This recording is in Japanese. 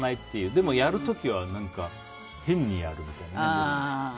でもやる時は変にやるみたいな。